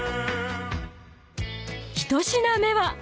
［１品目は］